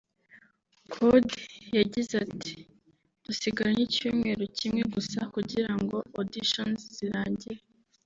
Kode yagize ati " Dusigaranye icyumweru kimwe gusa kugirango auditions zirangire